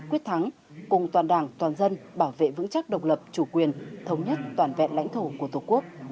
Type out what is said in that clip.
quyết thắng cùng toàn đảng toàn dân bảo vệ vững chắc độc lập chủ quyền thống nhất toàn vẹn lãnh thổ của tổ quốc